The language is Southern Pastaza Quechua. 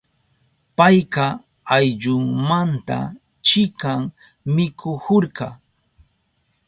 Payka ayllunmanta chikan mikuhurka.